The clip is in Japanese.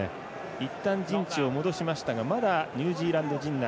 いったん陣地を戻しましたがまだニュージーランド陣内。